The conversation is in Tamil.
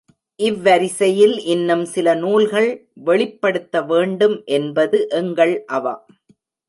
இவ்வரிசையில் இன்னும் சில நூல்கள் வெளிப்படுத்த வேண்டும் என்பது எங்கள் அவா.